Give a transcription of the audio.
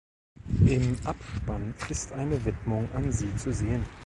Im Abspann ist eine Widmung an sie zu sehen.